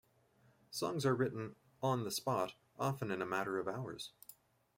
Songs are written "on the spot", often in a matter of hours.